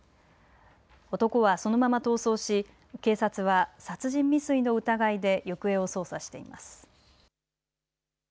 男はそのまま逃走し警察は殺人未遂の疑いで行方を捜査しています。